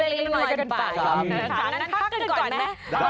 มันไม่ค่อยผ่านเท่าไร